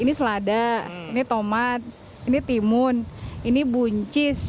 ini selada ini tomat ini timun ini buncis